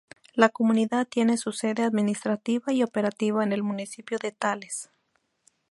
La mancomunidad tiene su sede administrativa y operativa en el municipio de Tales.